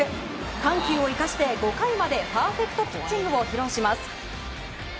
緩急を生かして、５回までパーフェクトピッチングを披露します。